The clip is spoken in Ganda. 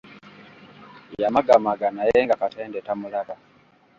Yamagamaga naye nga Katende tamulaba.